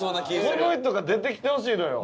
この人が出てきてほしいのよ。